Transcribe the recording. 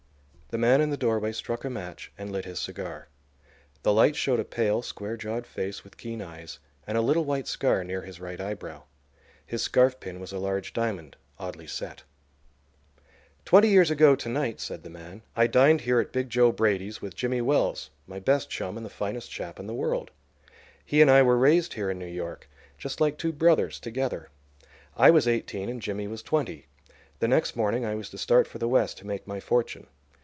The man in the doorway struck a match and lit his cigar. The light showed a pale, square jawed face with keen eyes, and a little white scar near his right eyebrow. His scarfpin was a large diamond, oddly set. "Twenty years ago to night," said the man, "I dined here at 'Big Joe' Brady's with Jimmy Wells, my best chum, and the finest chap in the world. He and I were raised here in New York, just like two brothers, together. I was eighteen and Jimmy was twenty. The next morning I was to start for the West to make my fortune.